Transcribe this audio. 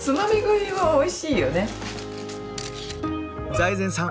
財前さん